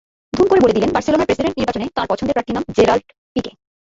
ধুম করে বলে দিলেন বার্সেলোনার প্রেসিডেন্ট নির্বাচনে তাঁর পছন্দের প্রার্থীর নাম—জেরার্ড পিকে।